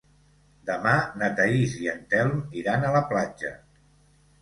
Demà na Thaís i en Telm iran a la platja.